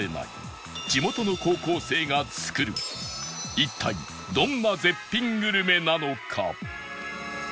一体どんな絶品グルメなのか？